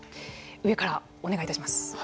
上からお願いいたします。